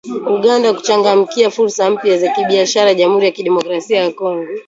Uganda kuchangamkia fursa mpya za kibiashara jamhuri ya kidemokrasia ya Kongo